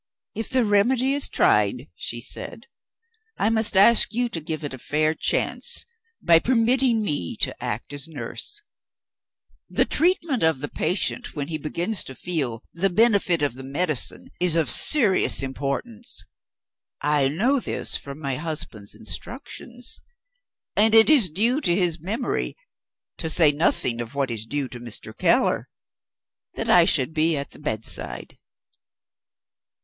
'If the remedy is tried,' she said, 'I must ask you to give it a fair chance by permitting me to act as nurse; the treatment of the patient when he begins to feel the benefit of the medicine is of serious importance. I know this from my husband's instructions, and it is due to his memory (to say nothing of what is due to Mr. Keller) that I should be at the bedside.'